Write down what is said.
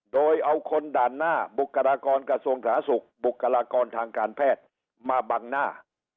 โดยเอาคนด่านหน้าบุคลากรกระทรวงสาธารณสุขบุคลากรทางการแพทย์มาบังหน้า